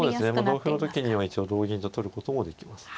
同歩の時には一応同銀と取ることもできます。